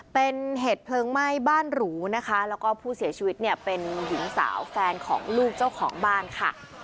เป็นเหตุเพลิงไหม้บ้านหรูนะคะแล้วก็ผู้เสียชีวิตเนี่ยเป็นหญิงสาวแฟนของลูกเจ้าของบ้านค่ะ